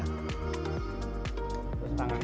keraton yang disebut bergadang